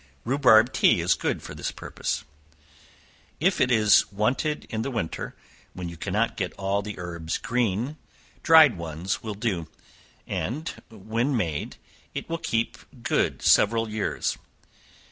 Rhubarb tea is good for this purpose. If it is wanted in the winter, when you cannot get all the herbs green, dried ones will do; and when made, it will keep good several years.